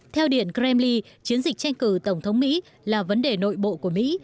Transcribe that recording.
theo điện kremli chiến dịch tranh cử tổng thống mỹ là vấn đề nội bộ của mỹ